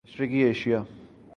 مشرقی ایشیا